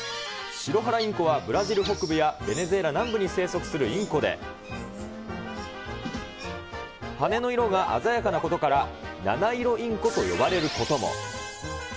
シロハラインコはブラジル北部やベネズエラ南部に生息するインコで、羽の色が鮮やかなことから、七色インコと呼ばれることも。